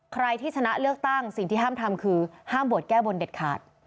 ใครที่ชนะเลือกตั้งสิ่งที่ห้ามทำคือห้ามบวชแก้บนเด็ดขาด